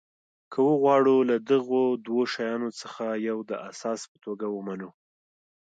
که وغواړو له دغو دوو شیانو څخه یو د اساس په توګه ومنو.